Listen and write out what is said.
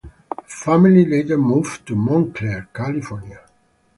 Her family later moved to Montclair, California.